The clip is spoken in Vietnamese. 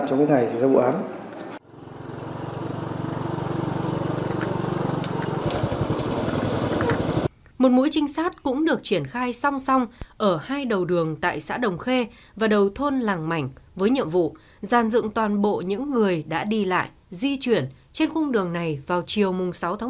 lực lượng trinh sát cũng được triển khai song song ở hai đầu đường tại xã đồng khê và đầu thôn làng mảnh với nhiệm vụ giàn dựng toàn bộ những người đã đi lại di chuyển trên khung đường này vào chiều sáu một mươi một hai nghìn hai mươi